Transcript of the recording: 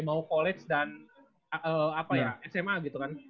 mau college dan sma gitu kan